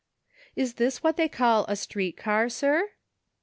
"Is this what they call a street car, sir?"